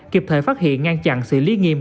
kịp thời phát hiện ngăn chặn sự lý nghiêm